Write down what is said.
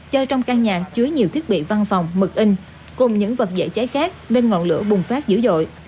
do trong căn nhà chứa nhiều thiết bị văn phòng mực in cùng những vật dễ cháy khác nên ngọn lửa bùng phát dữ dội